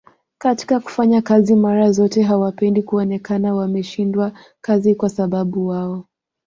katika kufanya kazi mara zote hawapendi kuonekana wameshindwa kazi kwasababu wao